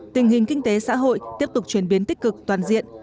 tình hình kinh tế xã hội tiếp tục chuyển biến tích cực toàn diện